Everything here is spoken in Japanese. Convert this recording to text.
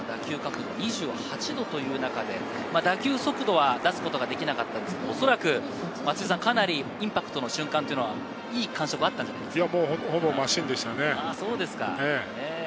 弾丸ライナーというイメージもありましたけど打球角度２８度という中で、打球速度は出すことができなかったんですが、おそらく松井さん、かなりインパクトの瞬間はいい感触があったんじゃないですか？